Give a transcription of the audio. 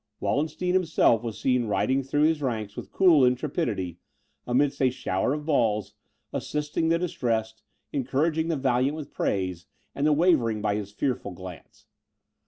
Wallenstein himself was seen riding through his ranks with cool intrepidity, amidst a shower of balls, assisting the distressed, encouraging the valiant with praise, and the wavering by his fearful glance.